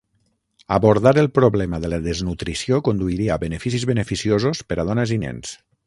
Abordar el problema de la desnutrició conduiria a beneficis beneficiosos per a dones i nens.